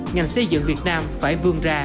ngành xây dựng việt nam phải vươn ra